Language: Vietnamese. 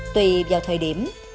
tùy vào thời điểm